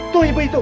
tuh ibu itu